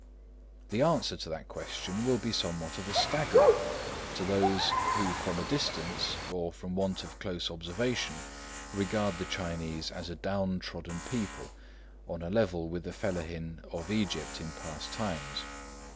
The answer to that question will be somewhat of a staggerer to those who from distance, or from want of close observation, regard the Chinese as a down trodden people, on a level with the Fellahin of Egypt in past times.